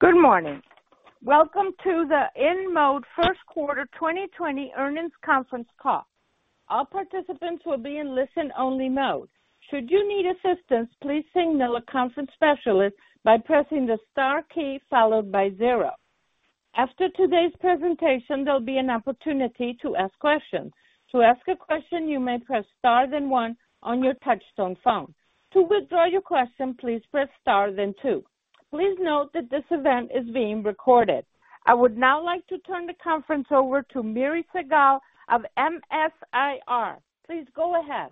Good morning. Welcome to the InMode first quarter 2020 earnings conference call. All participants will be in listen-only mode. Should you need assistance, please signal a conference specialist by pressing the star key followed by zero. After today's presentation, there'll be an opportunity to ask questions. To ask a question, you may press star then one on your touchtone phone. To withdraw your question, please press star then two. Please note that this event is being recorded. I would now like to turn the conference over to Miri Segal-Scharia of MS-IR. Please go ahead.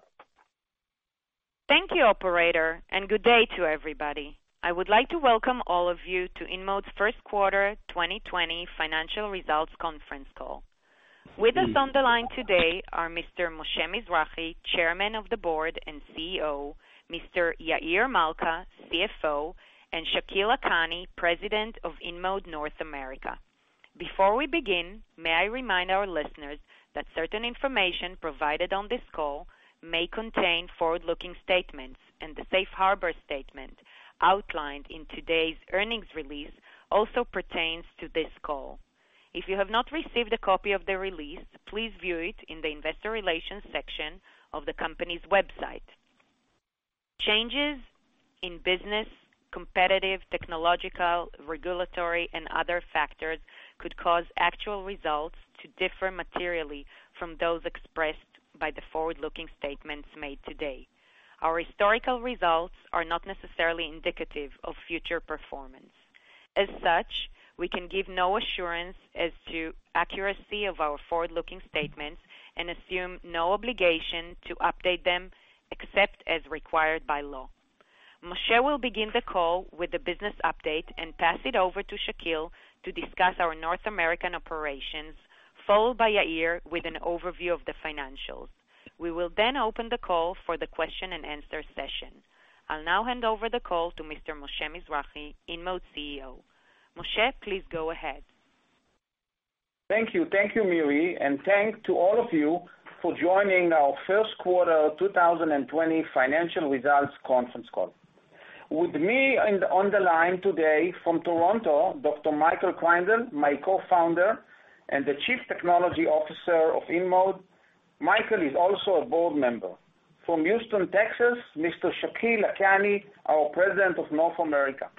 Thank you, operator, and good day to everybody. I would like to welcome all of you to InMode's first quarter 2020 financial results conference call. With us on the line today are Mr. Moshe Mizrahy, Chairman of the Board and CEO, Mr. Yair Malca, CFO, and Shakil Lakhani, President of InMode North America. Before we begin, may I remind our listeners that certain information provided on this call may contain forward-looking statements, and the safe harbor statement outlined in today's earnings release also pertains to this call. If you have not received a copy of the release, please view it in the investor relations section of the company's website. Changes in business, competitive, technological, regulatory, and other factors could cause actual results to differ materially from those expressed by the forward-looking statements made today. Our historical results are not necessarily indicative of future performance. As such, we can give no assurance as to accuracy of our forward-looking statements and assume no obligation to update them, except as required by law. Moshe will begin the call with the business update and pass it over to Shakil to discuss our North American operations, followed by Yair with an overview of the financials. We will open the call for the question and answer session. I'll now hand over the call to Mr. Moshe Mizrahy, InMode's CEO. Moshe, please go ahead. Thank you. Thank you, Miri, and thanks to all of you for joining our first quarter 2020 financial results conference call. With me on the line today from Toronto, Dr. Michael Kreindel, my co-founder and the Chief Technology Officer of InMode. Michael is also a board member. From Houston, Texas, Mr. Shakil Lakhani, our President of North America.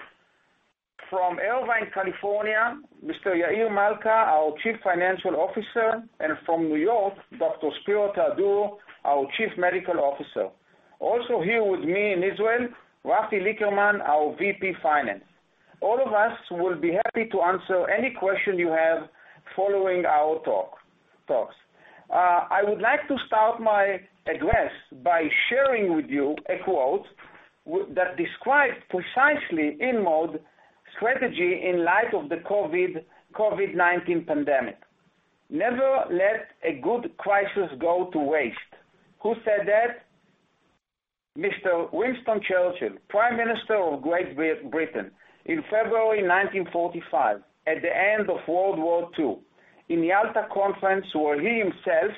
From Irvine, California, Mr. Yair Malca, our Chief Financial Officer, and from New York, Dr. Spero Theodorou, our Chief Medical Officer. Also here with me in Israel, Rafi Lickerman, our VP Finance. All of us will be happy to answer any question you have following our talks. I would like to start my address by sharing with you a quote that describes precisely InMode's strategy in light of the COVID-19 pandemic. "Never let a good crisis go to waste." Who said that? Mr. Winston Churchill, Prime Minister of Great Britain. In February 1945, at the end of World War II, in the Yalta Conference, where he himself,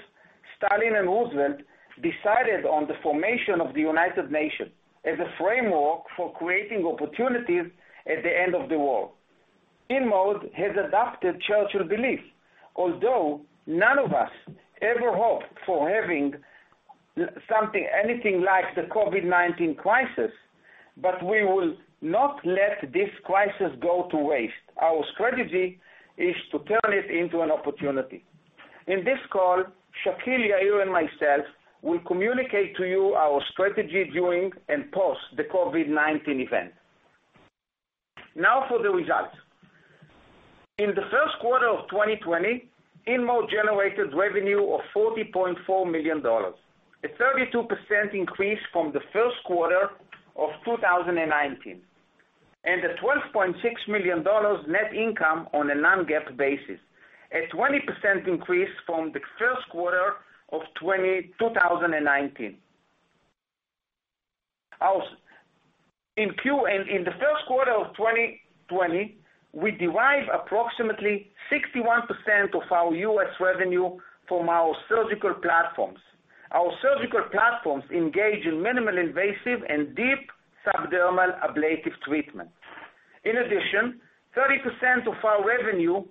Stalin, and Roosevelt decided on the formation of the United Nations as a framework for creating opportunities at the end of the war. InMode has adopted Churchill's belief. Although none of us ever hoped for having something, anything like the COVID-19 crisis, but we will not let this crisis go to waste. Our strategy is to turn it into an opportunity. In this call, Shakil, Yair, and myself will communicate to you our strategy during and post the COVID-19 event. Now for the results. In the first quarter of 2020, InMode generated revenue of $40.4 million, a 32% increase from the first quarter of 2019, and a $12.6 million net income on a non-GAAP basis, a 20% increase from the first quarter of 2019. In the first quarter of 2020, we derived approximately 61% of our U.S. revenue from our surgical platforms. Our surgical platforms engage in minimally invasive and deep subdermal ablative treatment. In addition, 30% of our revenue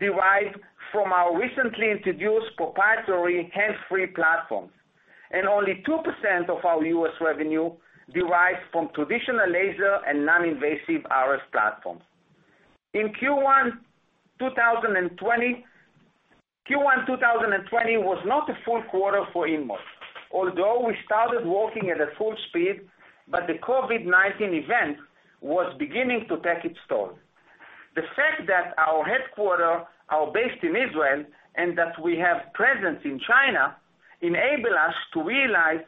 derived from our recently introduced proprietary hands-free platforms, and only 2% of our U.S. revenue derives from traditional laser and non-invasive RF platforms. Q1 2020 was not a full quarter for InMode. Although we started working at a full speed, the COVID-19 event was beginning to take its toll. The fact that our headquarters are based in Israel and that we have presence in China enabled us to realize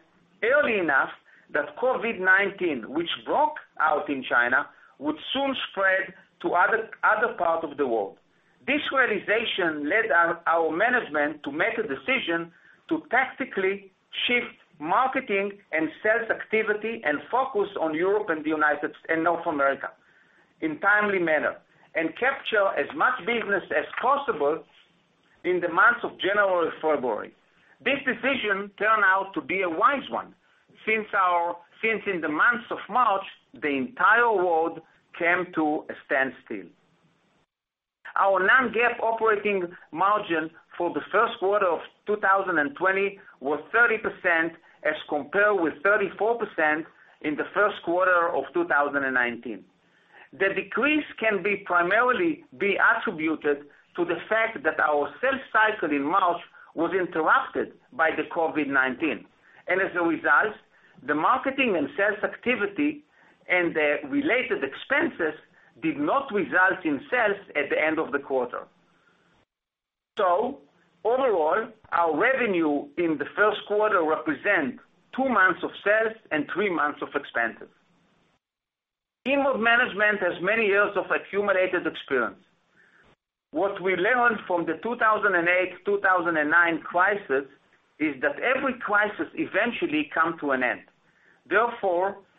early enough that COVID-19, which broke out in China, would soon spread to other parts of the world. This realization led our management to make a decision to tactically shift marketing and sales activity and focus on Europe and North America in a timely manner, and capture as much business as possible in the months of January, February. This decision turned out to be a wise one, since in the month of March, the entire world came to a standstill. Our non-GAAP operating margin for the first quarter of 2020 was 30%, as compared with 34% in the first quarter of 2019. The decrease can be primarily be attributed to the fact that our sales cycle in March was interrupted by the COVID-19, and as a result, the marketing and sales activity and the related expenses did not result in sales at the end of the quarter. Overall, our revenue in the first quarter represent two months of sales and three months of expenses. InMode management has many years of accumulated experience. What we learned from the 2008, 2009 crisis is that every crisis eventually come to an end.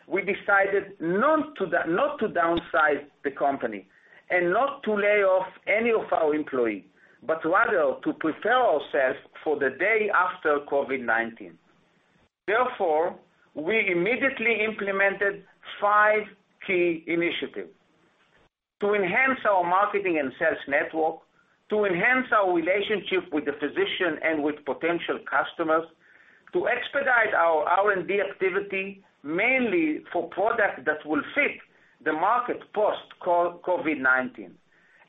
We decided not to downsize the company and not to lay off any of our employee, but rather to prepare ourselves for the day after COVID-19. We immediately implemented five key initiatives. To enhance our marketing and sales network, to enhance our relationship with the physician and with potential customers, to expedite our R&D activity, mainly for products that will fit the market post-COVID-19,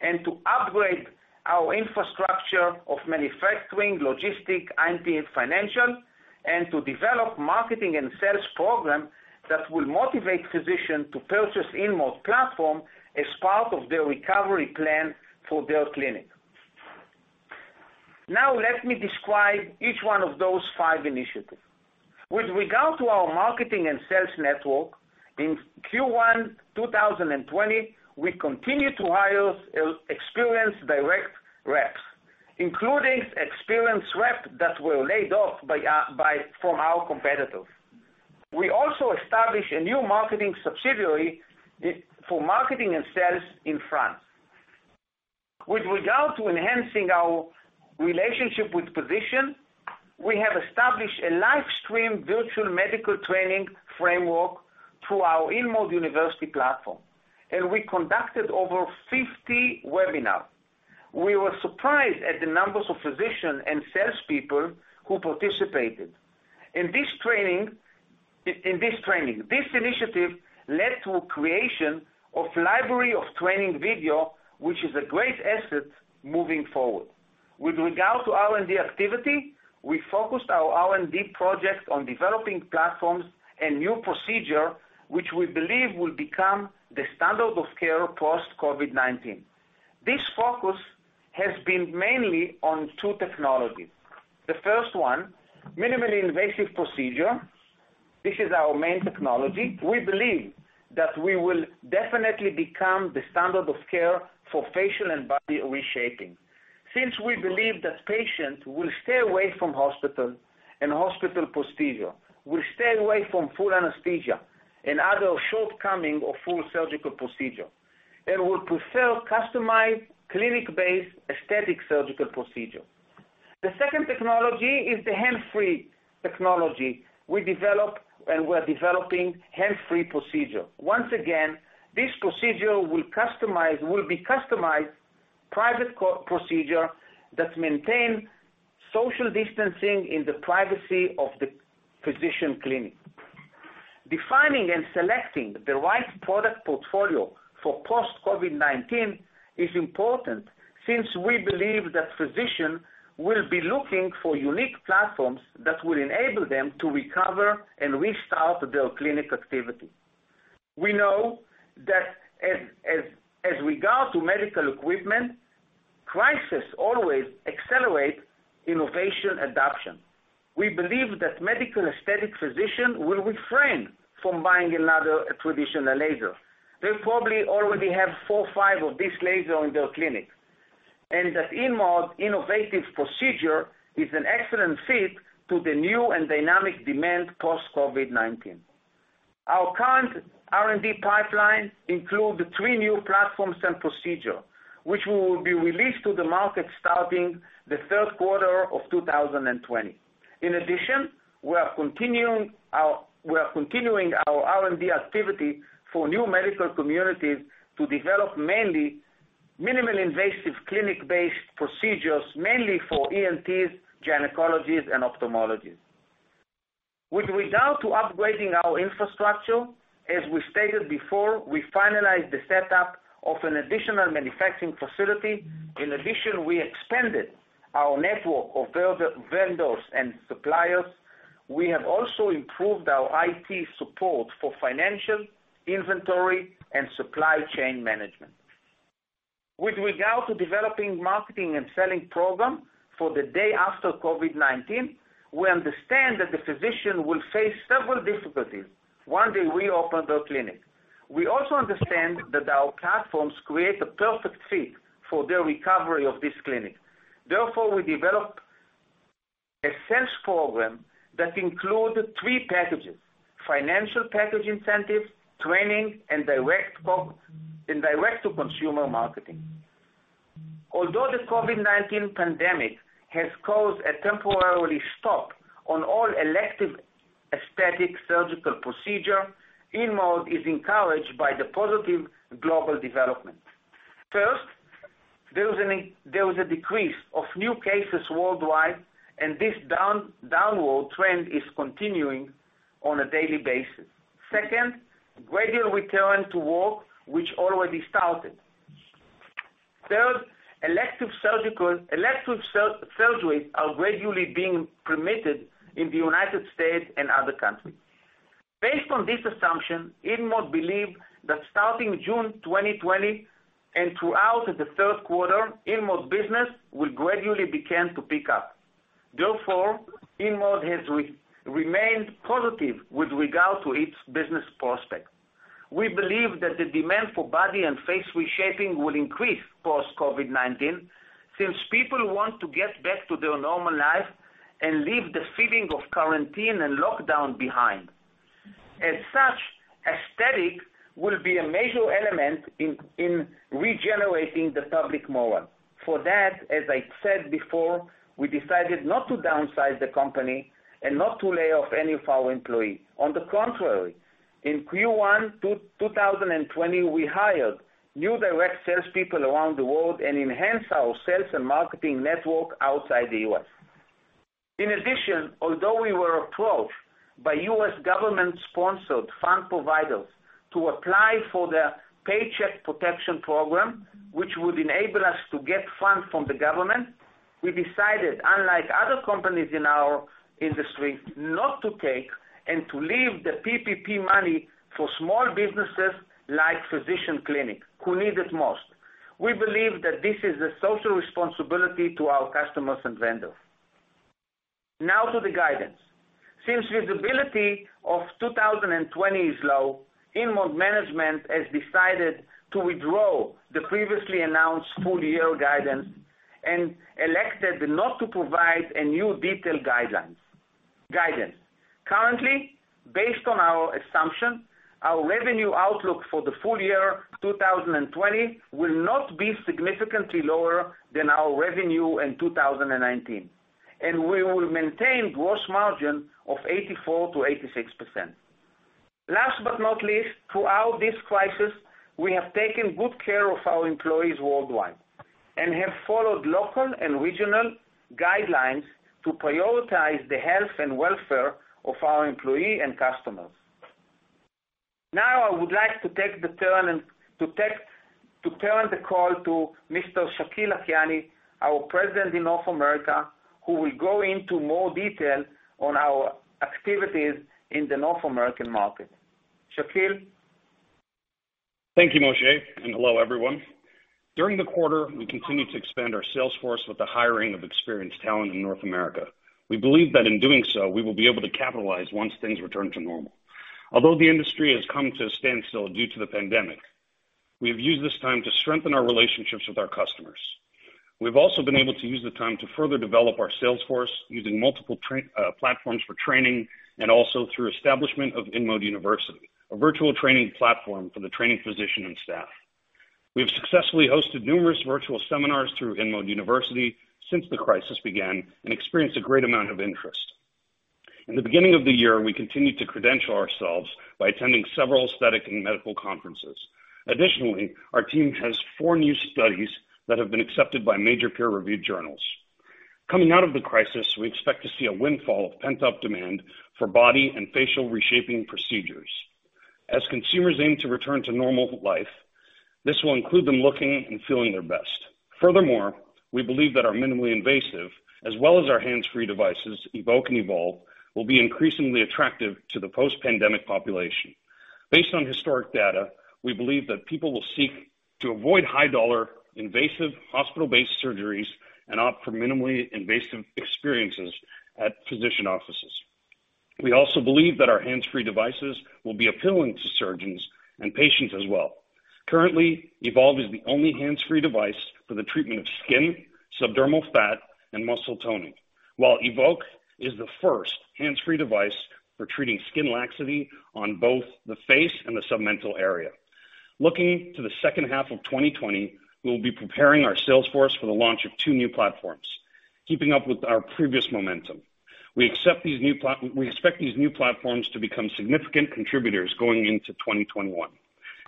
and to upgrade our infrastructure of manufacturing, logistic, IT, and financial, and to develop marketing and sales program that will motivate physicians to purchase InMode platform as part of their recovery plan for their clinic. Now let me describe each one of those five initiatives. With regard to our marketing and sales network, in Q1 2020, we continued to hire experienced direct reps, including experienced reps that were laid off from our competitors. We also established a new marketing subsidiary for marketing and sales in France. With regard to enhancing our relationship with physicians, we have established a live stream virtual medical training framework through our InMode University platform, and we conducted over 50 webinars. We were surprised at the numbers of physicians and salespeople who participated in this training. This initiative led to a creation of library of training video, which is a great asset moving forward. With regard to R&D activity, we focused our R&D projects on developing platforms and new procedure, which we believe will become the standard of care post-COVID-19. This focus has been mainly on two technologies. The first one, minimally invasive procedure. We believe that we will definitely become the standard of care for facial and body reshaping. We believe that patients will stay away from hospital and hospital procedure, will stay away from full anesthesia and other shortcoming of full surgical procedure, and will prefer customized clinic-based aesthetic surgical procedure. The second technology is the hands-free technology. We develop and we're developing hands-free procedure. Once again, this procedure will be customized private procedure that maintain social distancing in the privacy of the physician clinic. Defining and selecting the right product portfolio for post-COVID-19 is important since we believe that physicians will be looking for unique platforms that will enable them to recover and restart their clinic activity. We know that as regard to medical equipment, crisis always accelerate innovation adoption. We believe that medical aesthetic physician will refrain from buying another traditional laser. They probably already have four or five of this laser in their clinic, that InMode innovative procedure is an excellent fit to the new and dynamic demand post-COVID-19. Our current R&D pipeline include the three new platforms and procedure, which will be released to the market starting the third quarter of 2020. We are continuing our R&D activity for new medical communities to develop mainly minimally invasive clinic-based procedures, mainly for ENTs, gynecologists, and ophthalmologists. With regard to upgrading our infrastructure, as we stated before, we finalized the setup of an additional manufacturing facility. We expanded our network of vendors and suppliers. We have also improved our IT support for financial, inventory, and supply chain management. With regard to developing marketing and selling program for the day after COVID-19, we understand that the physician will face several difficulties when they reopen their clinic. We also understand that our platforms create a perfect fit for the recovery of this clinic. We developed a sales program that includes three packages, financial package incentives, training, and direct-to-consumer marketing. Although the COVID-19 pandemic has caused a temporary stop on all elective aesthetic surgical procedure, InMode is encouraged by the positive global development. First, there is a decrease of new cases worldwide, and this downward trend is continuing on a daily basis. Second, gradual return to work, which already started. Third, elective surgeries are gradually being permitted in the U.S. and other countries. Based on this assumption, InMode believes that starting June 2020 and throughout the third quarter, InMode business will gradually begin to pick up. InMode has remained positive with regard to its business prospect. We believe that the demand for body and face reshaping will increase post COVID-19, since people want to get back to their normal life and leave the feeling of quarantine and lockdown behind. As such, aesthetic will be a major element in regenerating the public mode. For that, as I said before, we decided not to downsize the company and not to lay off any of our employees. On the contrary, in Q1 2020, we hired new direct salespeople around the world and enhanced our sales and marketing network outside the U.S. In addition, although we were approached by U.S. government-sponsored fund providers to apply for their Paycheck Protection Program, which would enable us to get funds from the government, we decided, unlike other companies in our industry, not to take and to leave the PPP money for small businesses like physician clinic who need it most. We believe that this is a social responsibility to our customers and vendors. Now to the guidance. Since visibility of 2020 is low, InMode management has decided to withdraw the previously announced full-year guidance and elected not to provide a new detailed guidance. Currently, based on our assumption, our revenue outlook for the full year 2020 will not be significantly lower than our revenue in 2019, and we will maintain gross margin of 84%-86%. Last but not least, throughout this crisis, we have taken good care of our employees worldwide and have followed local and regional guidelines to prioritize the health and welfare of our employee and customers. Now, I would like to turn the call to Mr. Shakil Lakhani, our President in North America, who will go into more detail on our activities in the North American market. Shakil? Thank you, Moshe, and hello, everyone. During the quarter, we continued to expand our sales force with the hiring of experienced talent in North America. We believe that in doing so, we will be able to capitalize once things return to normal. Although the industry has come to a standstill due to the pandemic, we have used this time to strengthen our relationships with our customers. We've also been able to use the time to further develop our sales force using multiple platforms for training and also through establishment of InMode University, a virtual training platform for the training physician and staff. We have successfully hosted numerous virtual seminars through InMode University since the crisis began and experienced a great amount of interest. In the beginning of the year, we continued to credential ourselves by attending several aesthetic and medical conferences. Additionally, our team has four new studies that have been accepted by major peer review journals. Coming out of the crisis, we expect to see a windfall of pent-up demand for body and facial reshaping procedures. As consumers aim to return to normal life, this will include them looking and feeling their best. Furthermore, we believe that our minimally invasive, as well as our hands-free devices, Evoke and Evolve, will be increasingly attractive to the post-pandemic population. Based on historic data, we believe that people will seek to avoid high-dollar, invasive, hospital-based surgeries and opt for minimally invasive experiences at physician offices. We also believe that our hands-free devices will be appealing to surgeons and patients as well. Currently, Evolve is the only hands-free device for the treatment of skin, subdermal fat, and muscle toning. While Evoke is the first hands-free device for treating skin laxity on both the face and the submental area. Looking to the second half of 2020, we'll be preparing our sales force for the launch of two new platforms. Keeping up with our previous momentum, we expect these new platforms to become significant contributors going into 2021.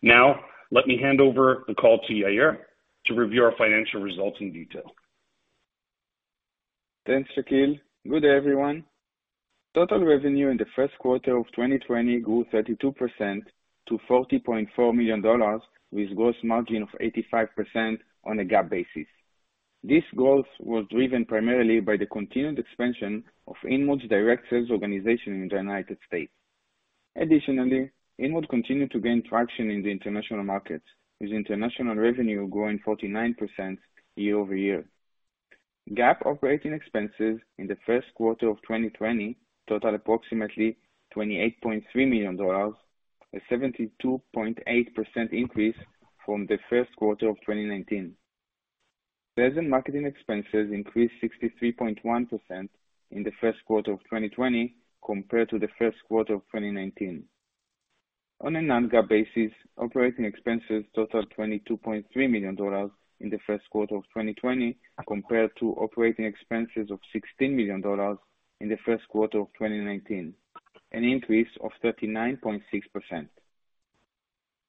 Now, let me hand over the call to Yair to review our financial results in detail. Thanks, Shakil. Good day, everyone. Total revenue in the first quarter of 2020 grew 32% to $40.4 million, with gross margin of 85% on a GAAP basis. This growth was driven primarily by the continued expansion of InMode's direct sales organization in the United States. Additionally, InMode continued to gain traction in the international markets, with international revenue growing 49% year-over-year. GAAP operating expenses in the first quarter of 2020 totaled approximately $28.3 million, a 72.8% increase from the first quarter of 2019. Sales and marketing expenses increased 63.1% in the first quarter of 2020 compared to the first quarter of 2019. On a non-GAAP basis, operating expenses totaled $22.3 million in the first quarter of 2020, compared to operating expenses of $16 million in the first quarter of 2019, an increase of 39.6%.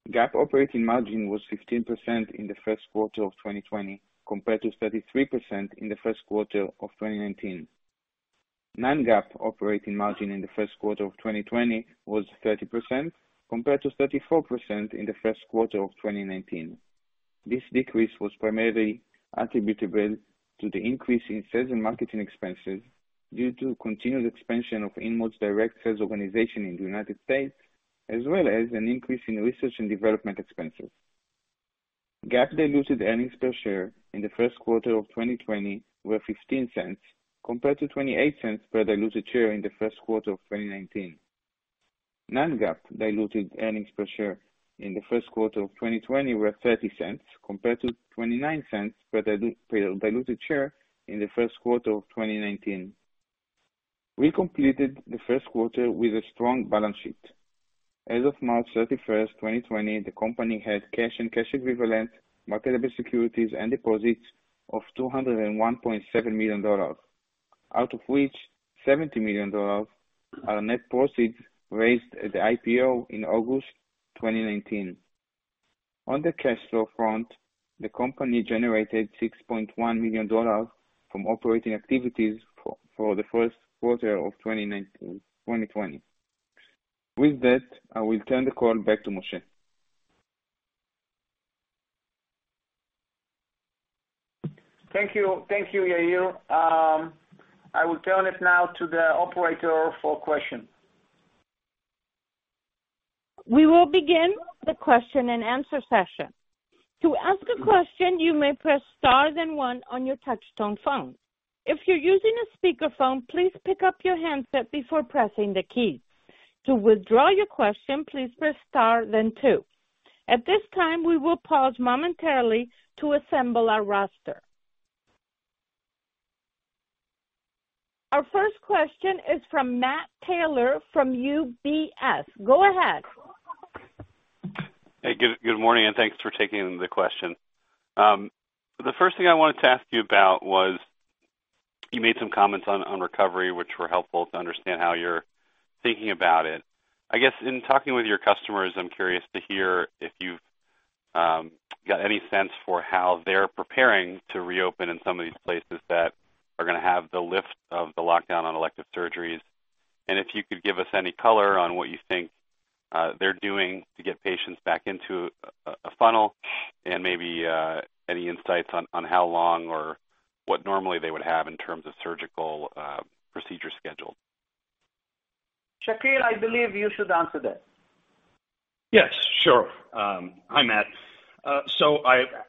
GAAP operating margin was 15% in the first quarter of 2020, compared to 33% in the first quarter of 2019. Non-GAAP operating margin in the first quarter of 2020 was 30%, compared to 34% in the first quarter of 2019. This decrease was primarily attributable to the increase in sales and marketing expenses due to continued expansion of InMode's direct sales organization in the United States, as well as an increase in research and development expenses. GAAP diluted earnings per share in the first quarter of 2020 were $0.15, compared to $0.28 per diluted share in the first quarter of 2019. Non-GAAP diluted earnings per share in the first quarter of 2020 were $0.30, compared to $0.29 per diluted share in the first quarter of 2019. We completed the first quarter with a strong balance sheet. As of March 31st, 2020, the company had cash and cash equivalents, marketable securities and deposits of $201.7 million, out of which $70 million are net proceeds raised at the IPO in August 2019. On the cash flow front, the company generated $6.1 million from operating activities for the first quarter of 2020. With that, I will turn the call back to Moshe. Thank you, Yair. I will turn it now to the operator for questions. We will begin the question and answer session. To ask a question, you may press star then one on your touchtone phone. If you're using a speakerphone, please pick up your handset before pressing the key. To withdraw your question, please press star then two. At this time, we will pause momentarily to assemble our roster. Our first question is from Matt Taylor from UBS. Go ahead. Hey, good morning. Thanks for taking the question. The first thing I wanted to ask you about was, you made some comments on recovery, which were helpful to understand how you're thinking about it. I guess, in talking with your customers, I'm curious to hear if you've got any sense for how they're preparing to reopen in some of these places that are going to have the lift of the lockdown on elective surgeries. If you could give us any color on what you think they're doing to get patients back into a funnel and maybe any insights on how long or what normally they would have in terms of surgical procedure schedule. Shakil, I believe you should answer that. Yes, sure. Hi, Matt.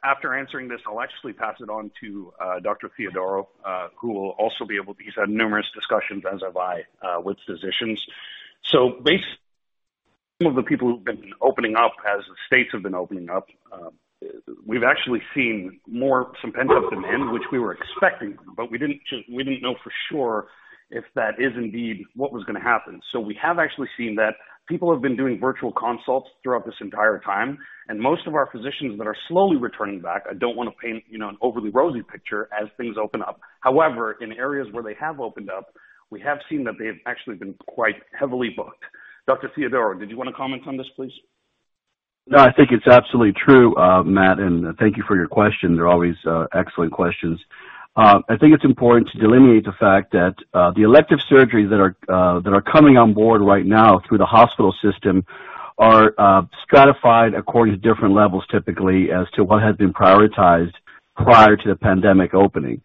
After answering this, I'll actually pass it on to Dr. Theodorou. He's had numerous discussions, as have I, with physicians. Basically, some of the people who've been opening up as the states have been opening up, we've actually seen some pent-up demand, which we were expecting, but we didn't know for sure if that is indeed what was going to happen. We have actually seen that people have been doing virtual consults throughout this entire time, and most of our physicians that are slowly returning back, I don't want to paint an overly rosy picture as things open up. However, in areas where they have opened up, we have seen that they've actually been quite heavily booked. Dr. Theodorou, did you want to comment on this, please? I think it's absolutely true, Matt. Thank you for your question. They're always excellent questions. I think it's important to delineate the fact that the elective surgeries that are coming on board right now through the hospital system are stratified according to different levels, typically as to what has been prioritized prior to the pandemic opening.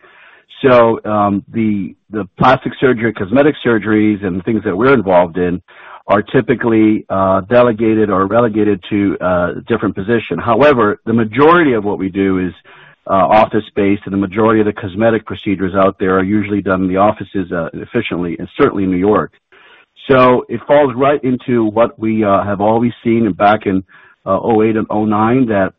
The plastic surgery, cosmetic surgeries, and things that we're involved in are typically delegated or relegated to a different position. However, the majority of what we do is office-based, and the majority of the cosmetic procedures out there are usually done in the offices efficiently, and certainly New York. It falls right into what we have always seen back in 2008 and 2009, that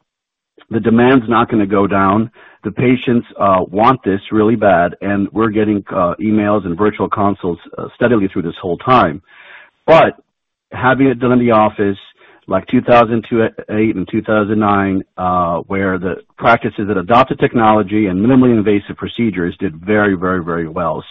the demand's not going to go down. The patients want this really bad, and we're getting emails and virtual consults steadily through this whole time. Having it done in the office like 2008 and 2009 where the practices that adopted technology and minimally invasive procedures did very well.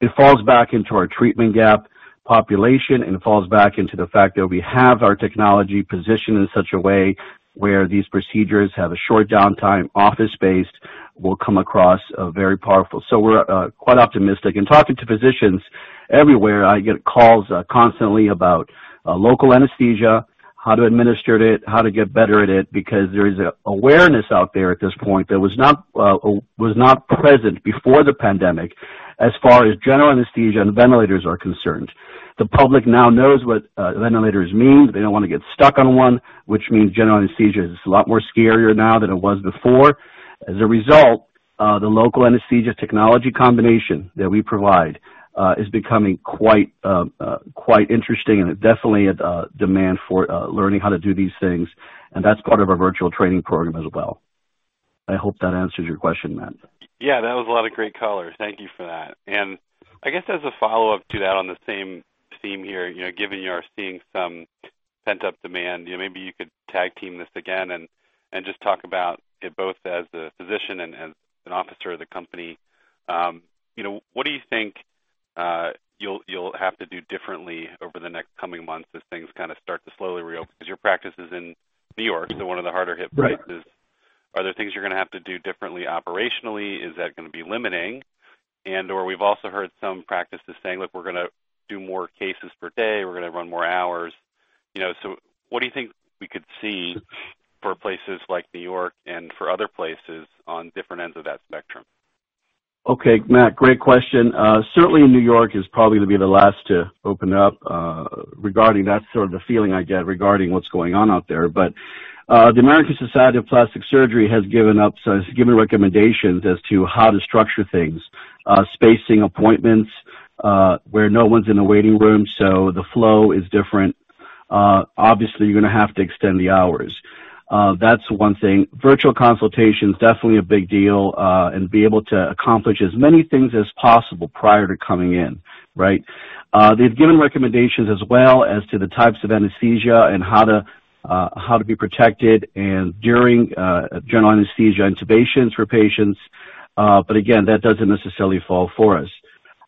It falls back into our treatment gap population, and it falls back into the fact that we have our technology positioned in such a way where these procedures have a short downtime, office-based, will come across very powerful. We're quite optimistic. In talking to physicians everywhere, I get calls constantly about local anesthesia, how to administer it, how to get better at it, because there is an awareness out there at this point that was not present before the pandemic as far as general anesthesia and ventilators are concerned. The public now knows what ventilators mean. They don't want to get stuck on one, which means general anesthesia is a lot more scarier now than it was before. As a result, the local anesthesia technology combination that we provide is becoming quite interesting, and definitely a demand for learning how to do these things. That's part of our virtual training program as well. I hope that answers your question, Matt. Yeah, that was a lot of great color. Thank you for that. I guess as a follow-up to that on the same theme here, given you are seeing some pent-up demand, maybe you could tag team this again and just talk about it both as a physician and as an officer of the company. What do you think you'll have to do differently over the next coming months as things kind of start to slowly reopen? Your practice is in N.Y., so one of the harder hit places. Are there things you're going to have to do differently operationally? Is that going to be limiting? We've also heard some practices saying, "Look, we're going to do more cases per day. We're going to run more hours." What do you think we could see for places like New York and for other places on different ends of that spectrum? Okay, Matt, great question. Certainly, New York is probably going to be the last to open up. Regarding that, sort of the feeling I get regarding what's going on out there, the American Society of Plastic Surgeons has given recommendations as to how to structure things, spacing appointments where no one's in the waiting room, the flow is different. Obviously, you're going to have to extend the hours. That's one thing. Virtual consultation is definitely a big deal and be able to accomplish as many things as possible prior to coming in. Right? They've given recommendations as well as to the types of anesthesia and how to be protected and during general anesthesia intubations for patients. Again, that doesn't necessarily fall for us.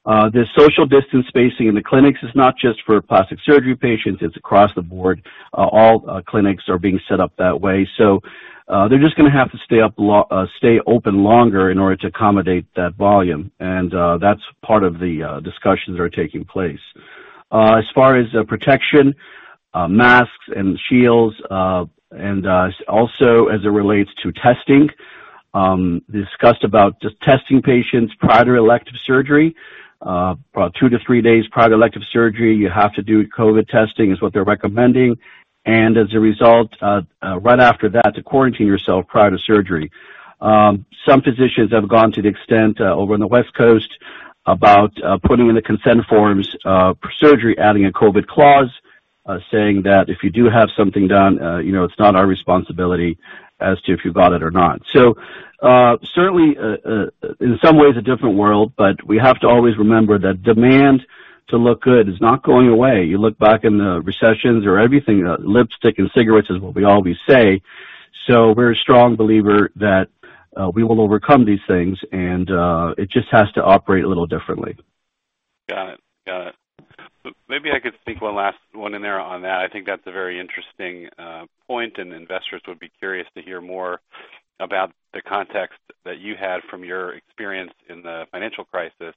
The social distance spacing in the clinics is not just for plastic surgery patients, it's across the board. All clinics are being set up that way. They're just going to have to stay open longer in order to accommodate that volume, and that's part of the discussions that are taking place. As far as protection, masks and shields, and also as it relates to testing, discussed about just testing patients prior to elective surgery. About two to three days prior to elective surgery, you have to do COVID testing is what they're recommending. As a result, right after that, to quarantine yourself prior to surgery. Some physicians have gone to the extent over on the West Coast about putting in the consent forms for surgery, adding a COVID clause, saying that if you do have something done, it's not our responsibility as to if you got it or not. Certainly, in some ways a different world, but we have to always remember that demand to look good is not going away. You look back in the recessions or everything, lipstick and cigarettes is what we always say. We're a strong believer that we will overcome these things and it just has to operate a little differently. Got it. Maybe I could sneak one last one in there on that. I think that's a very interesting point, and investors would be curious to hear more about the context that you had from your experience in the financial crisis.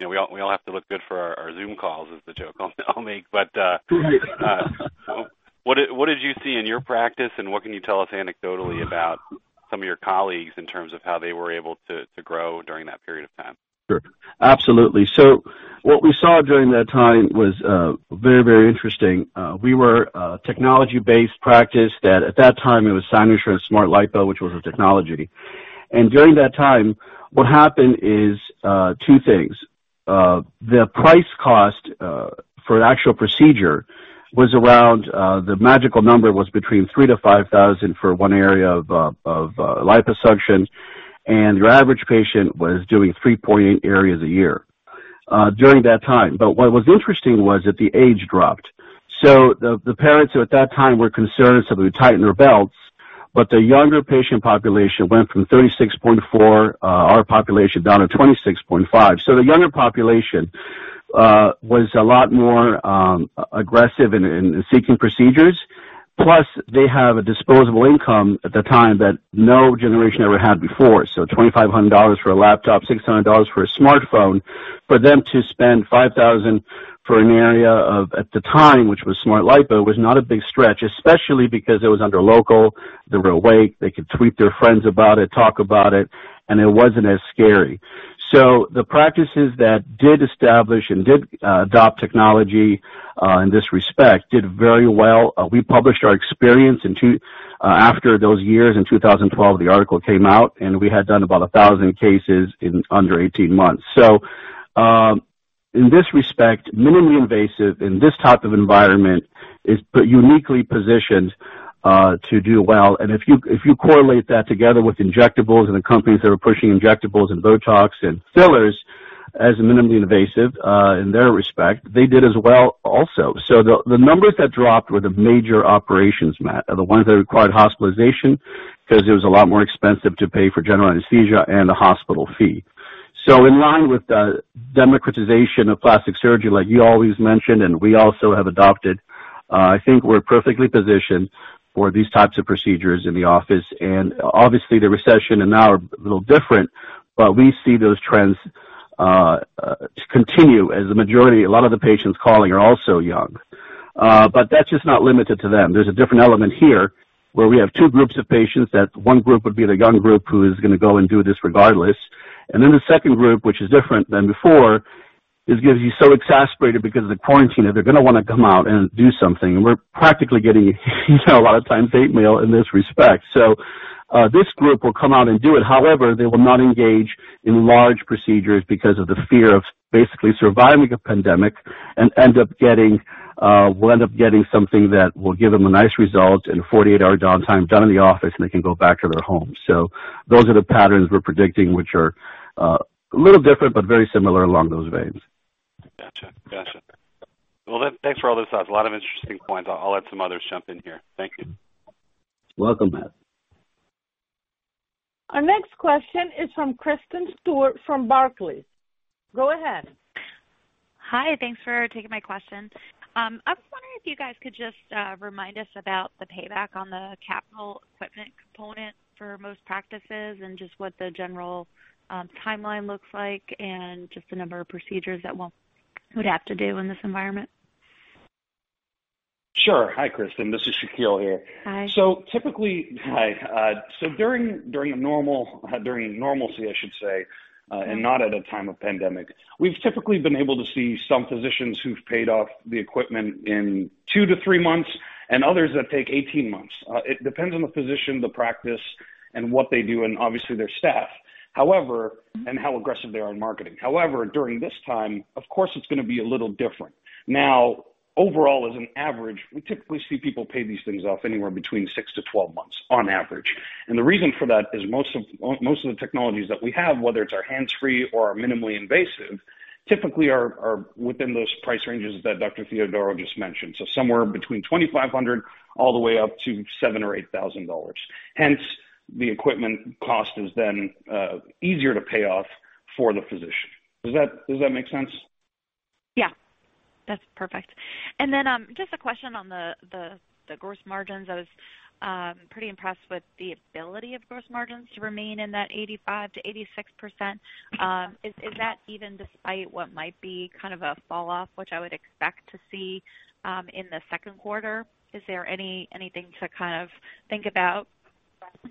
We all have to look good for our Zoom calls, is the joke I'll make. Right. What did you see in your practice, and what can you tell us anecdotally about some of your colleagues in terms of how they were able to grow during that period of time? Sure. Absolutely. What we saw during that time was very interesting. We were a technology-based practice that at that time, it was Cynosure Smartlipo, which was a technology. During that time, what happened is two things. The price cost for an actual procedure was around, the magical number was between $3,000-$5,000 for one area of liposuction. Your average patient was doing 3.8 areas a year during that time. What was interesting was that the age dropped. The parents who at that time were concerned, so they would tighten their belts, but the younger patient population went from 36.4, our population, down to 26.5. The younger population was a lot more aggressive in seeking procedures. Plus, they have a disposable income at the time that no generation ever had before. $2,500 for a laptop, $600 for a smartphone. For them to spend $5,000 for an area of, at the time, which was Smartlipo, was not a big stretch, especially because it was under local, they were awake, they could tweet their friends about it, talk about it, and it wasn't as scary. The practices that did establish and did adopt technology in this respect did very well. We published our experience after those years. In 2012, the article came out, and we had done about 1,000 cases in under 18 months. In this respect, minimally invasive in this type of environment is uniquely positioned to do well. If you correlate that together with injectables and the companies that are pushing injectables and BOTOX and fillers as minimally invasive in their respect, they did as well also. The numbers that dropped were the major operations, Matt, the ones that required hospitalization, because it was a lot more expensive to pay for general anesthesia and the hospital fee. In line with the democratization of plastic surgery, like you always mentioned and we also have adopted, I think we're perfectly positioned for these types of procedures in the office. Obviously, the recession and now are a little different, but we see those trends continue as the majority, a lot of the patients calling are also young. That's just not limited to them. There's a different element here where we have two groups of patients, that one group would be the young group who is going to go and do this regardless. Then the second group, which is different than before It gets you so exasperated because of the quarantine that they're going to want to come out and do something. We're practically getting a lot of times hate mail in this respect. This group will come out and do it. However, they will not engage in large procedures because of the fear of basically surviving a pandemic and will end up getting something that will give them a nice result in a 48-hour downtime done in the office, and they can go back to their homes. Those are the patterns we're predicting, which are a little different, but very similar along those veins. Got you. Well, thanks for all those thoughts. A lot of interesting points. I'll let some others jump in here. Thank you. You're welcome, Matt. Our next question is from Kristen Stewart from Barclays. Go ahead. Hi. Thanks for taking my question. I was wondering if you guys could just remind us about the payback on the capital equipment component for most practices, and just what the general timeline looks like, and just the number of procedures that we'd have to do in this environment? Sure. Hi, Kristen. This is Shakil here. Hi. Hi. During normalcy, I should say, and not at a time of pandemic, we've typically been able to see some physicians who've paid off the equipment in two to three months, and others that take 18 months. It depends on the physician, the practice, and what they do, and obviously their staff and how aggressive they are in marketing. During this time, of course, it's going to be a little different. Overall, as an average, we typically see people pay these things off anywhere between six to 12 months on average. The reason for that is most of the technologies that we have, whether it's our hands-free or our minimally invasive, typically are within those price ranges that Dr. Theodorou just mentioned. Somewhere between $2,500 all the way up to $7,000 or $8,000. The equipment cost is then easier to pay off for the physician. Does that make sense? Yeah. That's perfect. Just a question on the gross margins. I was pretty impressed with the ability of gross margins to remain in that 85%-86%. Is that even despite what might be kind of a fall off, which I would expect to see in the second quarter? Is there anything to kind of think about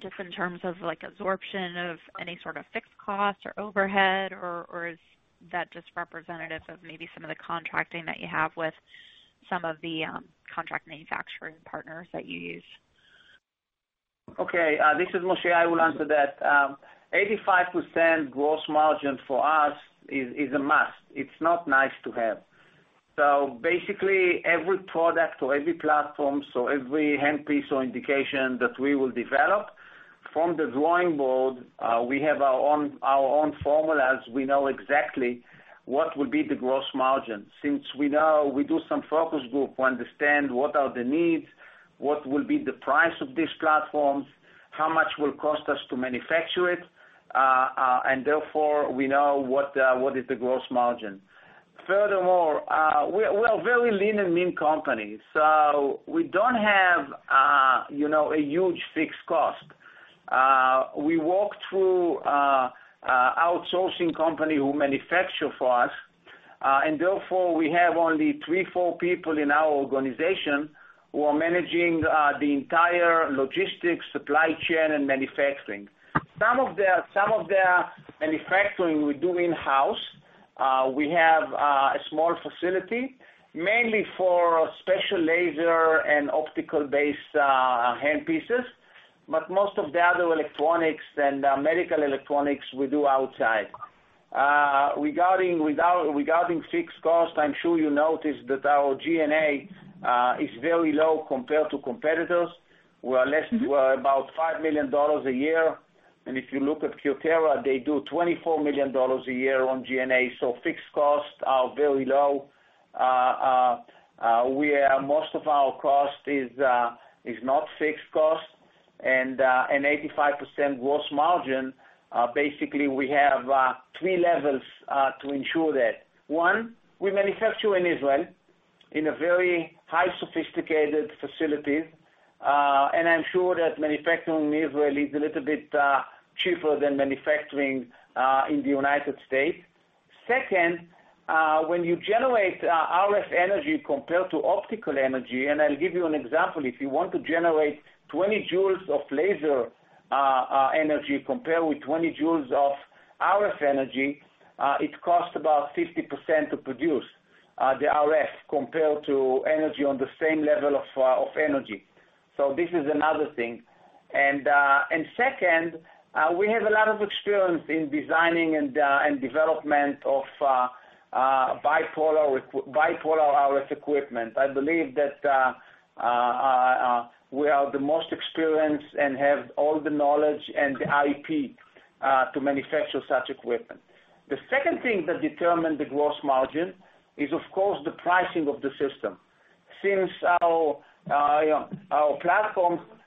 just in terms of absorption of any sort of fixed cost or overhead, or is that just representative of maybe some of the contracting that you have with some of the contract manufacturing partners that you use? Okay. This is Moshe. I will answer that. 85% gross margin for us is a must. It's not nice to have. Basically, every product or every platform, so every hand piece or indication that we will develop from the drawing board, we have our own formulas. We know exactly what will be the gross margin. Since we do some focus group to understand what are the needs, what will be the price of these platforms, how much will it cost us to manufacture it, and therefore, we know what is the gross margin. Furthermore, we are a very lean and mean company. We don't have a huge fixed cost. We work through outsourcing company who manufacture for us, and therefore, we have only three, four people in our organization who are managing the entire logistics, supply chain, and manufacturing. Some of the manufacturing we do in-house. We have a small facility, mainly for special laser and optical-based handpieces, but most of the other electronics and medical electronics we do outside. Regarding fixed cost, I'm sure you noticed that our G&A is very low compared to competitors, who are about $5 million a year. If you look at Cutera, they do $24 million a year on G&A. Fixed costs are very low. Most of our cost is not fixed cost, and an 85% gross margin, basically, we have three levels to ensure that. One, we manufacture in Israel in a very high sophisticated facility. I'm sure that manufacturing in Israel is a little bit cheaper than manufacturing in the United States. Second, when you generate RF energy compared to optical energy, and I'll give you an example. If you want to generate 20 joules of laser energy compared with 20 joules of RF energy, it costs about 50% to produce the RF compared to energy on the same level of energy. This is another thing. Second, we have a lot of experience in designing and development of bipolar RF equipment. I believe that we are the most experienced and have all the knowledge and the IP to manufacture such equipment. The second thing that determines the gross margin is, of course, the pricing of the system. Since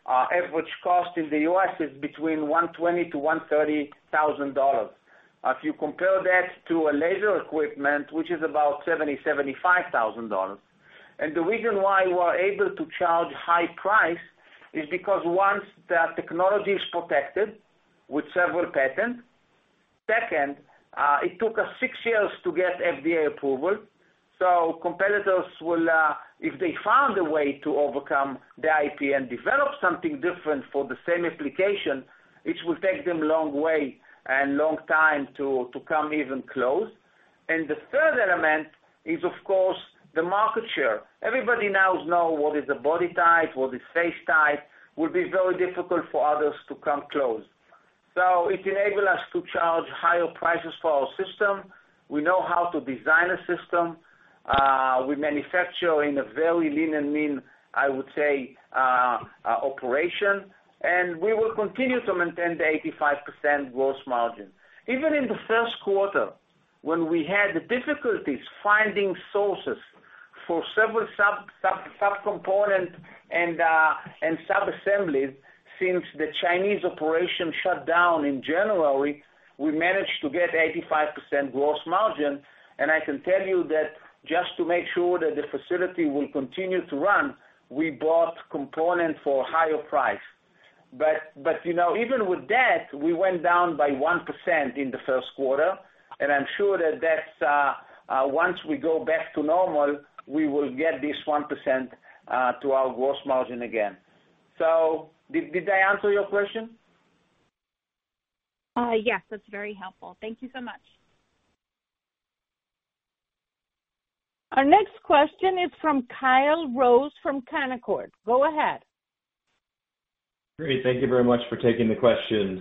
our platform average cost in the U.S. is between $120,000-$130,000. If you compare that to a laser equipment, which is about $70,000, $75,000. The reason why we are able to charge high price is because once the technology is protected with several patents. Second, it took us six years to get FDA approval. Competitors will, if they found a way to overcome the IP and develop something different for the same application, it will take them long way and long time to come even close. The third element is, of course, the market share. Everybody now knows what is a BodyTite, what is FaceTite. It will be very difficult for others to come close. It enable us to charge higher prices for our system. We know how to design a system. We manufacture in a very lean and mean, I would say, operation, and we will continue to maintain the 85% gross margin. Even in the first quarter, when we had the difficulties finding sources for several sub-components and sub-assemblies since the Chinese operation shut down in January, we managed to get 85% gross margin, and I can tell you that just to make sure that the facility will continue to run, we bought components for a higher price. Even with that, we went down by 1% in the first quarter, and I'm sure that once we go back to normal, we will get this 1% to our gross margin again. Did I answer your question? Yes. That's very helpful. Thank you so much. Our next question is from Kyle Rose from Canaccord. Go ahead. Great. Thank you very much for taking the questions.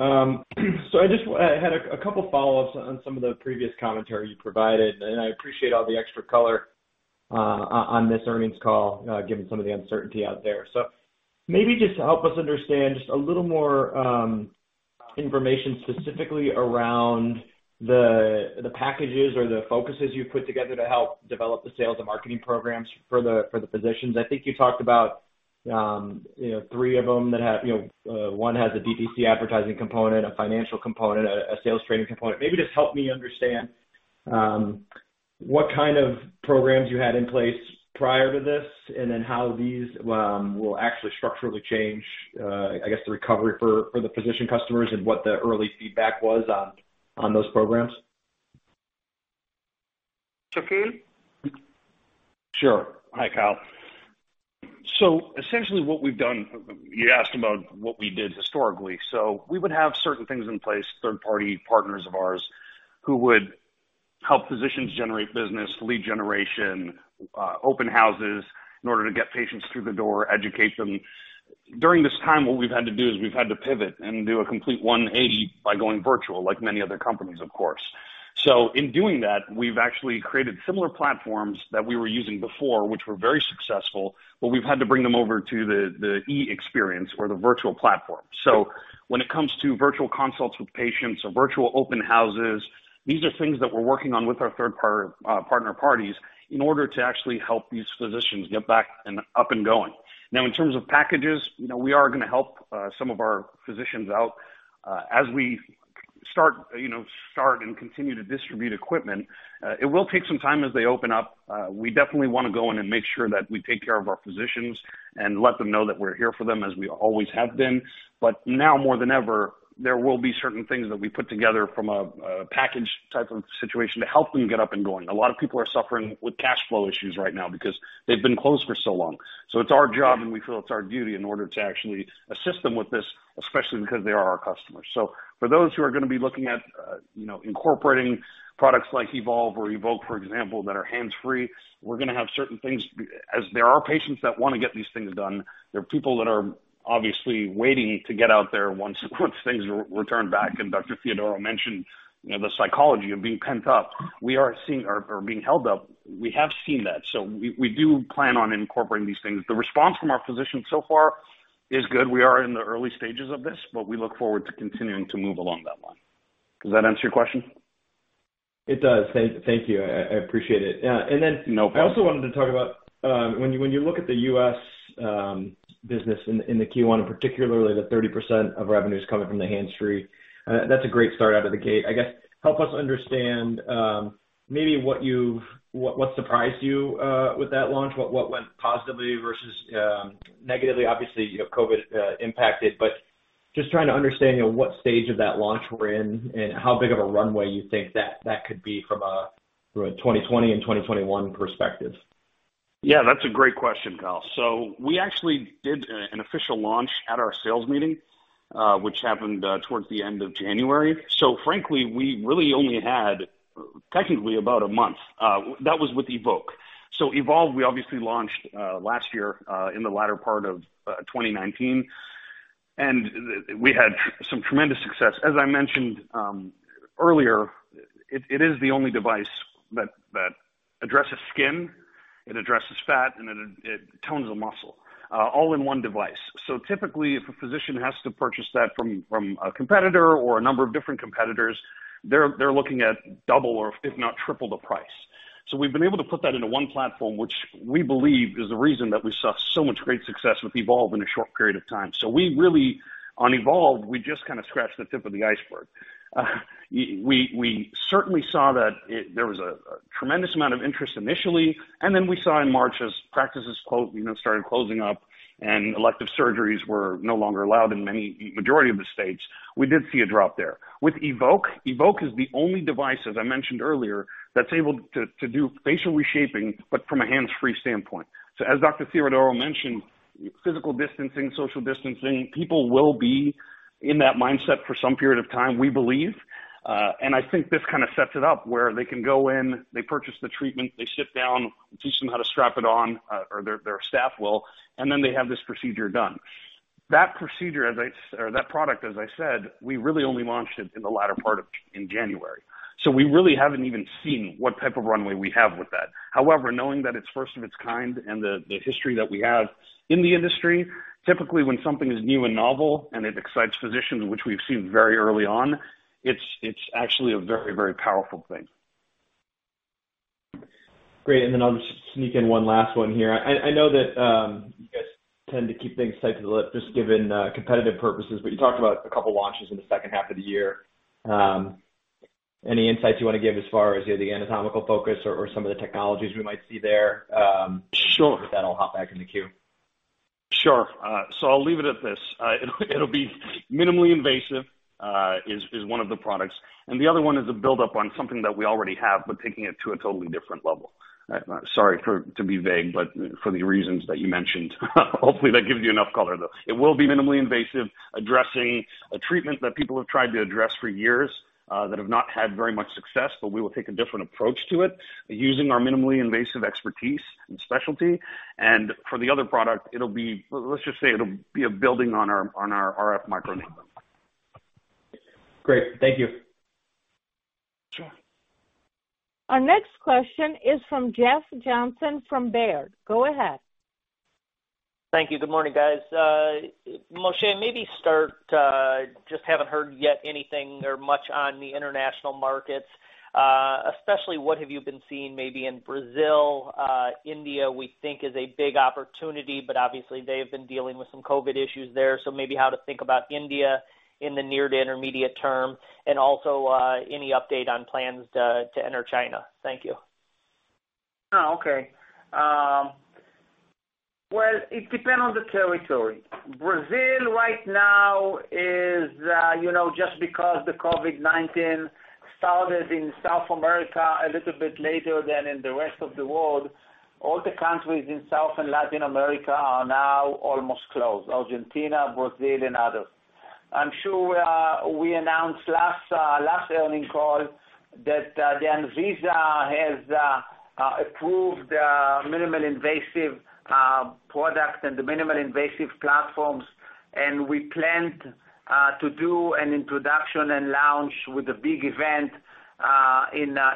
I just had a couple follow-ups on some of the previous commentary you provided, and I appreciate all the extra color on this earnings call, given some of the uncertainty out there. Maybe just to help us understand just a little more information specifically around the packages or the focuses you've put together to help develop the sales and marketing programs for the physicians. I think you talked about three of them that one has a DTC advertising component, a financial component, a sales training component. Maybe just help me understand what kind of programs you had in place prior to this, and then how these will actually structurally change I guess the recovery for the physician customers and what the early feedback was on those programs. Shakil? Sure. Hi, Kyle. Essentially what we've done, you asked about what we did historically. We would have certain things in place, third-party partners of ours who would help physicians generate business, lead generation, open houses in order to get patients through the door, educate them. During this time, what we've had to do is we've had to pivot and do a complete 180 by going virtual, like many other companies, of course. In doing that, we've actually created similar platforms that we were using before, which were very successful, but we've had to bring them over to the e-experience or the virtual platform. When it comes to virtual consults with patients or virtual open houses, these are things that we're working on with our third-party partners in order to actually help these physicians get back and up and going. In terms of packages, we are going to help some of our physicians out as we start and continue to distribute equipment. It will take some time as they open up. We definitely want to go in and make sure that we take care of our physicians and let them know that we're here for them, as we always have been. Now more than ever, there will be certain things that we put together from a package type of situation to help them get up and going. A lot of people are suffering with cash flow issues right now because they've been closed for so long. It's our job, and we feel it's our duty in order to actually assist them with this, especially because they are our customers. For those who are going to be looking at incorporating products like Evolve or Evoke, for example, that are hands-free, we're going to have certain things as there are patients that want to get these things done. There are people that are obviously waiting to get out there once things return back, and Dr. Theodorou mentioned the psychology of being pent up or being held up. We have seen that. We do plan on incorporating these things. The response from our physicians so far is good. We are in the early stages of this, but we look forward to continuing to move along that line. Does that answer your question? It does. Thank you. I appreciate it. No problem. I also wanted to talk about when you look at the U.S. business in the Q1, particularly the 30% of revenues coming from the hands-free, that's a great start out of the gate. I guess, help us understand maybe what surprised you with that launch, what went positively versus negatively. Obviously, COVID impacted, just trying to understand what stage of that launch we're in and how big of a runway you think that could be from a 2020 and 2021 perspective. Yeah, that's a great question, Kyle. We actually did an official launch at our sales meeting, which happened towards the end of January. Frankly, we really only had, technically, about a month. That was with Evoke. Evolve, we obviously launched last year in the latter part of 2019, and we had some tremendous success. As I mentioned earlier, it is the only device that addresses skin, it addresses fat, and it tones the muscle, all in one device. Typically, if a physician has to purchase that from a competitor or a number of different competitors, they're looking at double or if not triple the price. We've been able to put that into one platform, which we believe is the reason that we saw so much great success with Evolve in a short period of time. We really, on Evolve, we just kind of scratched the tip of the iceberg. We certainly saw that there was a tremendous amount of interest initially, and then we saw in March as practices started closing up and elective surgeries were no longer allowed in majority of the states, we did see a drop there. With Evoke is the only device, as I mentioned earlier, that's able to do facial reshaping, but from a hands-free standpoint. As Dr. Theodorou mentioned, physical distancing, social distancing, people will be in that mindset for some period of time, we believe. I think this kind of sets it up where they can go in, they purchase the treatment, they sit down, teach them how to strap it on, or their staff will, and then they have this procedure done. That product, as I said, we really only launched it in the latter part of in January. We really haven't even seen what type of runway we have with that. However, knowing that it's first of its kind and the history that we have in the industry, typically when something is new and novel and it excites physicians, which we've seen very early on, it's actually a very powerful thing. Great. I'll just sneak in one last one here. I know that you guys tend to keep things tight to the lip, just given competitive purposes, but you talked about a couple of launches in the second half of the year. Any insights you want to give as far as either the anatomical focus or some of the technologies we might see there? Sure. With that, I'll hop back in the queue. Sure. I'll leave it at this. It'll be minimally invasive, is one of the products, and the other one is a buildup on something that we already have, but taking it to a totally different level. Sorry to be vague, for the reasons that you mentioned, hopefully, that gives you enough color, though. It will be minimally invasive, addressing a treatment that people have tried to address for years, that have not had very much success, but we will take a different approach to it using our minimally invasive expertise and specialty. For the other product, let's just say it'll be a building on our RF microneedling. Great. Thank you. Sure. Our next question is from Jeff Johnson from Baird. Go ahead. Thank you. Good morning, guys. Moshe, maybe start, just haven't heard yet anything or much on the international markets. Especially what have you been seeing maybe in Brazil? India, we think is a big opportunity, but obviously, they've been dealing with some COVID-19 issues there, so maybe how to think about India in the near to intermediate term, and also, any update on plans to enter China? Thank you. Oh, okay. Well, it depends on the territory. Brazil right now is, just because the COVID-19 started in South America a little bit later than in the rest of the world, all the countries in South and Latin America are now almost closed. Argentina, Brazil, and others. I'm sure we announced last earning call that the ANVISA has approved minimal invasive product and the minimal invasive platforms, and we planned to do an introduction and launch with a big event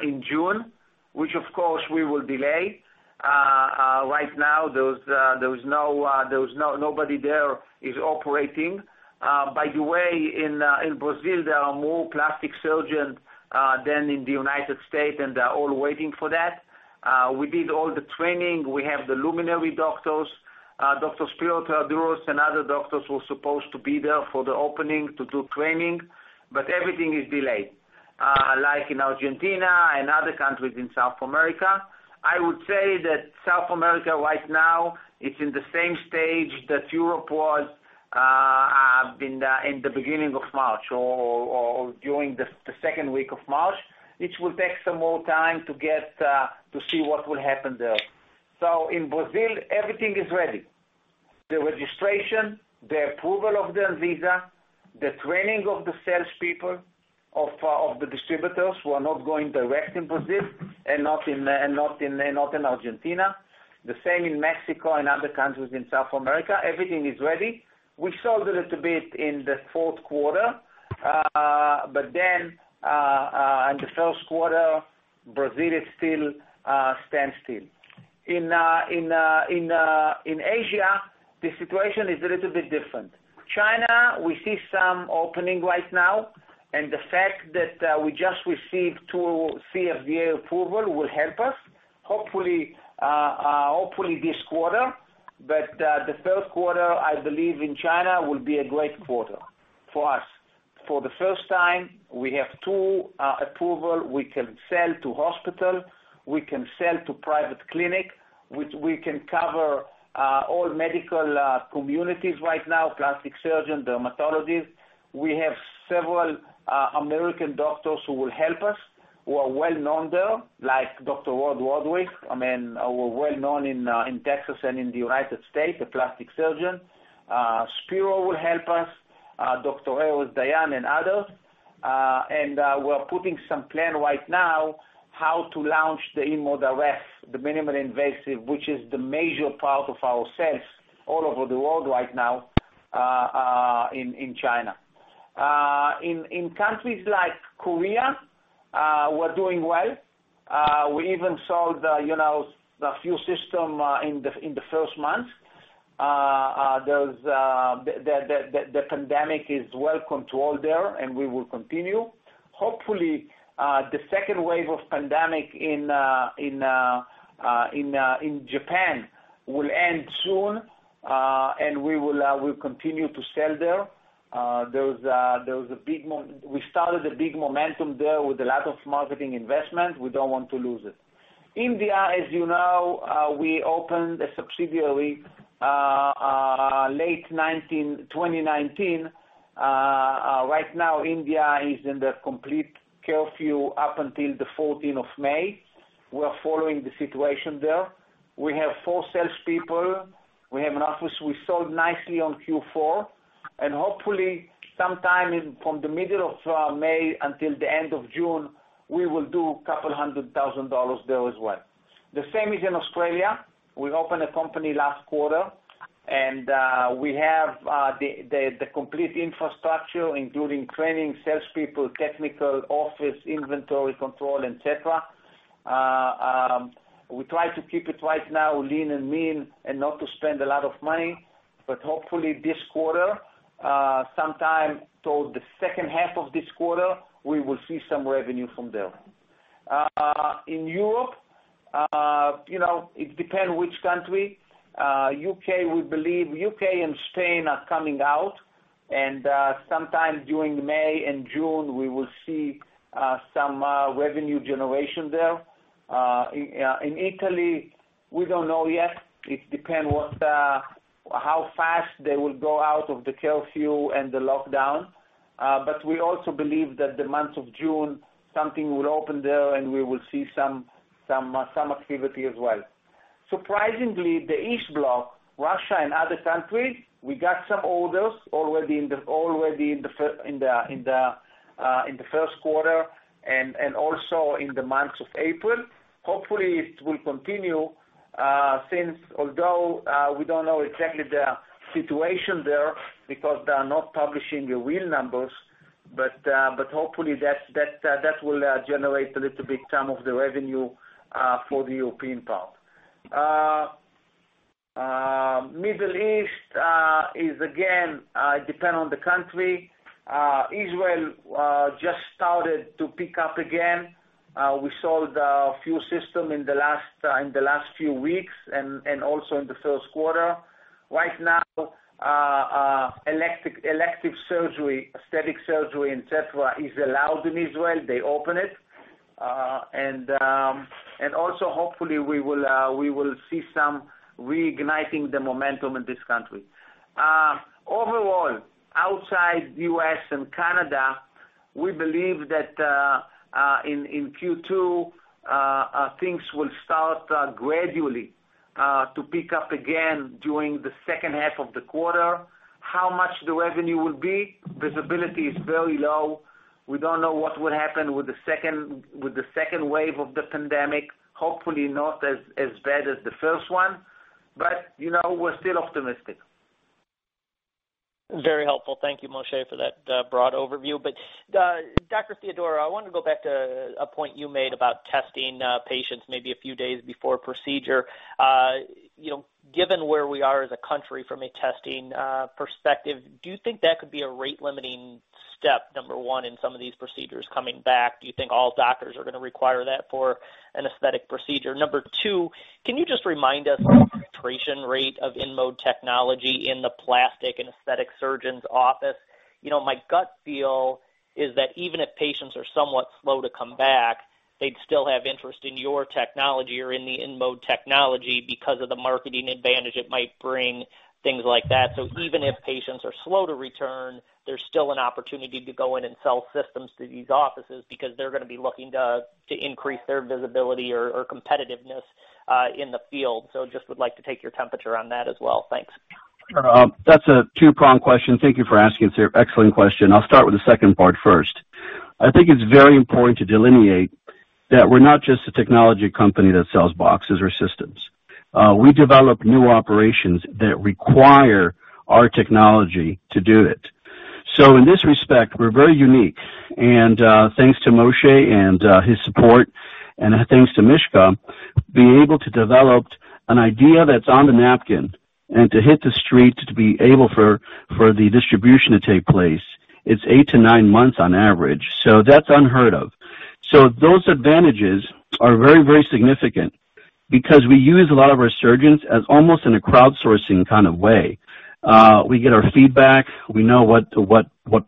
in June, which of course we will delay. Right now, there is nobody there is operating. By the way, in Brazil, there are more plastic surgeons than in the United States, and they're all waiting for that. We did all the training. We have the luminary doctors. Dr. Spero Theodorou and other doctors were supposed to be there for the opening to do training. Everything is delayed. In Argentina and other countries in South America. I would say that South America right now, it's in the same stage that Europe was in the beginning of March or during the second week of March, which will take some more time to see what will happen there. In Brazil, everything is ready. The registration, the approval of the ANVISA, the training of the salespeople, of the distributors who are not going direct in Brazil and not in Argentina. The same in Mexico and other countries in South America. Everything is ready. We sold a little bit in the fourth quarter. In the first quarter, Brazil still stands still. In Asia, the situation is a little bit different. China, we see some opening right now, and the fact that we just received two CFDA approval will help us, hopefully, this quarter. The third quarter, I believe in China will be a great quarter for us. For the first time, we have two approval. We can sell to hospital, we can sell to private clinic. We can cover all medical communities right now, plastic surgeon, dermatologist. We have several American doctors who will help us, who are well-known there, like Dr. Rod Rohrich. I mean, well-known in Texas and in the U.S., a plastic surgeon. Spero will help us, Dr. Erez Dayan and others. We're putting some plan right now how to launch the InMode RF, the minimally invasive, which is the major part of our sales all over the world right now in China. In countries like Korea, we're doing well. We even sold a few system in the first month. The pandemic is well controlled there, and we will continue. Hopefully, the second wave of pandemic in Japan will end soon, and we'll continue to sell there. We started a big momentum there with a lot of marketing investment. We don't want to lose it. India, as you know, we opened a subsidiary late 2019. Right now, India is in the complete curfew up until the 14th of May. We're following the situation there. We have four salespeople. We have an office. We sold nicely on Q4, and hopefully, sometime from the middle of May until the end of June, we will do a couple hundred thousand dollars there as well. The same is in Australia. We opened a company last quarter, and we have the complete infrastructure, including training, salespeople, technical office, inventory control, et cetera. We try to keep it right now lean and mean and not to spend a lot of money, but hopefully this quarter, sometime towards the second half of this quarter, we will see some revenue from there. In Europe, it depends which country. U.K., we believe U.K. and Spain are coming out, and sometime during May and June, we will see some revenue generation there. In Italy, we don't know yet. It depends how fast they will go out of the curfew and the lockdown. But we also believe that the month of June, something will open there, and we will see some activity as well. Surprisingly, the East Bloc, Russia and other countries, we got some orders already in the first quarter and also in the month of April. Hopefully, it will continue since although we don't know exactly the situation there because they are not publishing the real numbers, hopefully, that will generate a little bit some of the revenue for the European part. Middle East is, again, it depends on the country. Israel just started to pick up again. We sold a few systems in the last few weeks and also in the first quarter. Right now, elective surgery, aesthetic surgery, et cetera, is allowed in Israel. They opened it. Hopefully, we will see some reigniting the momentum in this country. Overall, outside U.S. and Canada, we believe that in Q2, things will start gradually to pick up again during the second half of the quarter. How much the revenue will be, visibility is very low. We don't know what would happen with the second wave of the pandemic, hopefully not as bad as the first one, but we're still optimistic. Very helpful. Thank you, Moshe, for that broad overview. Dr. Theodorou, I wanted to go back to a point you made about testing patients maybe a few days before a procedure. Given where we are as a country from a testing perspective, do you think that could be a rate-limiting step, number one, in some of these procedures coming back? Do you think all doctors are going to require that for an aesthetic procedure? Number two, can you just remind us the penetration rate of InMode technology in the plastic and aesthetic surgeon's office? My gut feel is that even if patients are somewhat slow to come back, they'd still have interest in your technology or in the InMode technology because of the marketing advantage it might bring, things like that. Even if patients are slow to return, there's still an opportunity to go in and sell systems to these offices because they're going to be looking to increase their visibility or competitiveness in the field. Just would like to take your temperature on that as well. Thanks. That's a two-prong question. Thank you for asking, sir. Excellent question. I'll start with the second part first. I think it's very important to delineate that we're not just a technology company that sells boxes or systems. We develop new operations that require our technology to do it. In this respect, we're very unique. Thanks to Moshe and his support, and thanks to Mishka, being able to develop an idea that's on the napkin and to hit the streets to be able for the distribution to take place, it's eight to nine months on average. That's unheard of. Those advantages are very, very significant because we use a lot of our surgeons as almost in a crowdsourcing kind of way. We get our feedback. We know what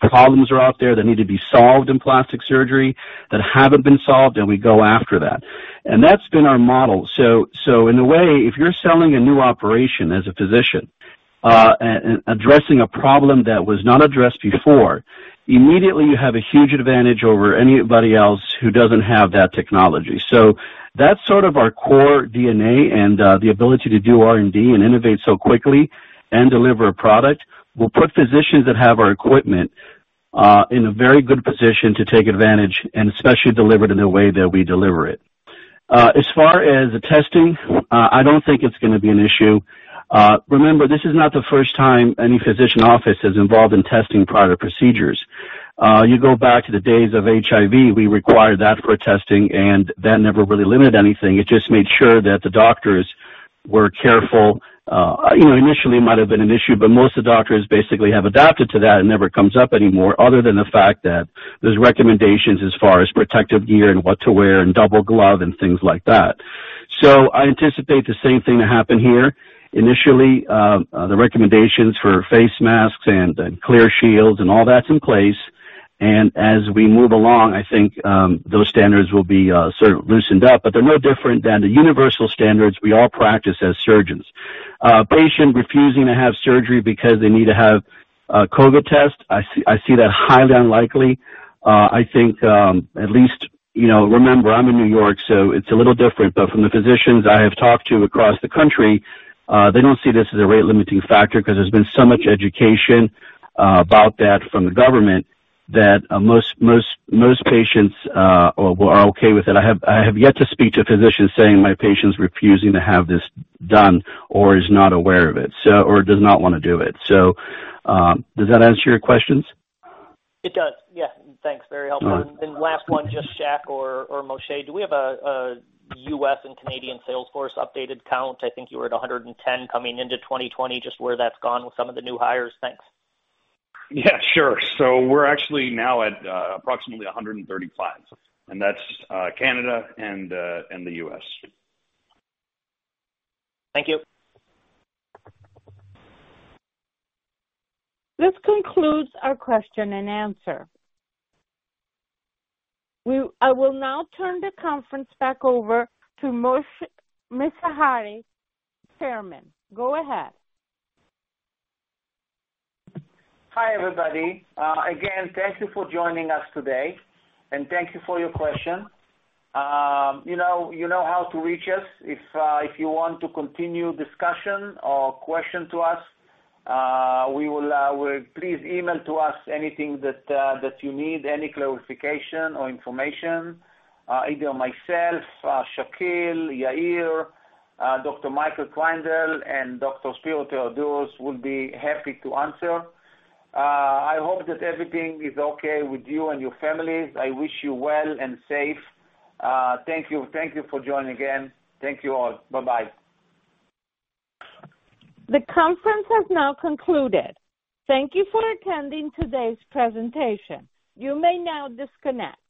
problems are out there that need to be solved in plastic surgery that haven't been solved, and we go after that. That's been our model. In a way, if you're selling a new operation as a physician, addressing a problem that was not addressed before, immediately you have a huge advantage over anybody else who doesn't have that technology. That's sort of our core DNA and the ability to do R&D and innovate so quickly and deliver a product, will put physicians that have our equipment in a very good position to take advantage and especially deliver it in a way that we deliver it. As far as the testing, I don't think it's going to be an issue. Remember, this is not the first time any physician office is involved in testing prior to procedures. You go back to the days of HIV, we required that for testing, and that never really limited anything. It just made sure that the doctors were careful. Initially, it might have been an issue, but most of the doctors basically have adapted to that and never comes up anymore other than the fact that there's recommendations as far as protective gear and what to wear and double glove and things like that. I anticipate the same thing to happen here. Initially, the recommendations for face masks and clear shields and all that's in place. As we move along, I think those standards will be sort of loosened up, but they're no different than the universal standards we all practice as surgeons. Patient refusing to have surgery because they need to have a COVID test. I see that highly unlikely. Remember, I'm in New York. It's a little different. From the physicians I have talked to across the country, they don't see this as a rate-limiting factor because there's been so much education about that from the government that most patients are okay with it. I have yet to speak to a physician saying, "My patient's refusing to have this done," or is not aware of it, or does not want to do it. Does that answer your questions? It does. Yeah. Thanks, very helpful. All right. Last one, just Shakil or Moshe, do we have a U.S. and Canadian sales force updated count? I think you were at 110 coming into 2020, just where that's gone with some of the new hires. Thanks. Yeah, sure. We're actually now at approximately 135, and that's Canada and the U.S. Thank you. This concludes our question and answer. I will now turn the conference back over to Moshe Mizrahy, Chairman. Go ahead. Hi, everybody. Again, thank you for joining us today, and thank you for your question. You know how to reach us if you want to continue discussion or question to us. Please email to us anything that you need, any clarification or information. Either myself, Shakil, Yair, Dr. Michael Kreindel, and Dr. Spero Theodorou will be happy to answer. I hope that everything is okay with you and your families. I wish you well and safe. Thank you for joining again. Thank you all. Bye-bye. The conference has now concluded. Thank you for attending today's presentation. You may now disconnect.